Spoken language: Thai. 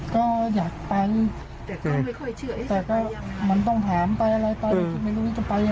ก็อยากไปแต่ก็มันต้องถามไปอะไรไป